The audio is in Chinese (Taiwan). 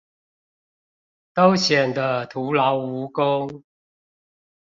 都顯得徒勞無功